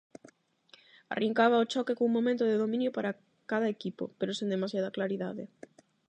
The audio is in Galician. Arrincaba o choque cun momento de dominio para cada equipo, pero sen demasiada claridade.